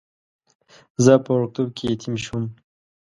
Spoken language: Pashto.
زه په وړکتوب کې یتیم شوم.